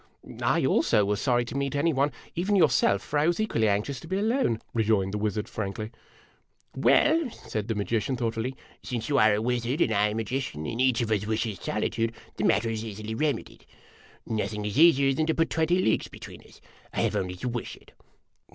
" I, also, was sorry to meet any one, even yourself, for I was equally anxious to be alone," rejoined the wizard, frankly. " Well," said the magician, thoughtfully, " since you are a wiz ard and I a magician, and each of us wishes solitude, the matter is easily remedied. Nothing is easier than to put twenty leagues between us. I have only to wish it."